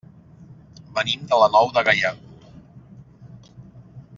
Venim de la Nou de Gaià.